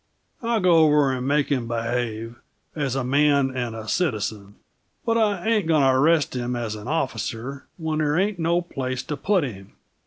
I'll go over and make him behave as a man and a citizen. But I ain't going to arrest him as an officer, when there ain't no place to put him."